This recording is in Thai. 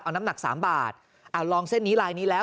เอาน้ำหนักสามบาทเอาลองเส้นนี้ลายนี้แล้ว